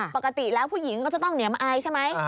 ปกติแล้วผู้หญิงก็จะต้องเหนียมอายใช่ไหม